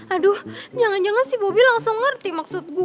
aduh jangan jangan si bobby langsung ngerti maksud gue